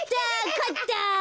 かった。